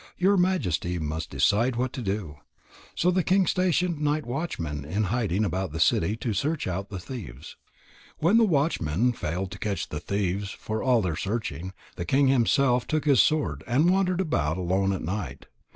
Your Majesty must decide what to do." So the king stationed night watchmen in hiding about the city, to search out the thieves. When the watchmen failed to catch the thieves for all their searching, the king himself took his sword, and wandered about alone at night.